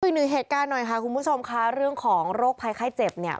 อีกหนึ่งเหตุการณ์หน่อยค่ะคุณผู้ชมค่ะเรื่องของโรคภัยไข้เจ็บเนี่ย